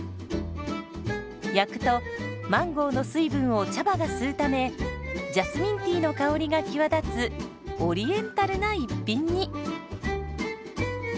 焼くとマンゴーの水分を茶葉が吸うためジャスミンティーの香りが際立つオリエンタルな一品に。